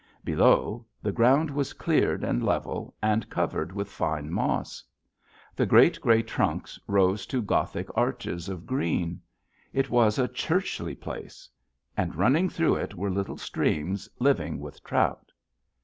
Below, the ground was cleared and level and covered with fine moss. The great gray trunks rose to Gothic arches of green. It was a churchly place. And running through it were little streams living with trout.